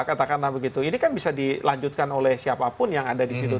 katakanlah begitu ini kan bisa dilanjutkan oleh siapapun yang ada di situ